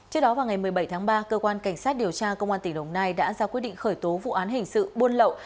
trước đó vào ngày một mươi bảy tháng ba cơ quan cảnh sát điều tra công an tỉnh đồng nai đã ra quyết định khởi tố vụ án hình sự buôn lậu